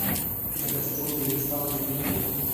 ځکه چې ټول د هندوستان اوسېدونکي وو.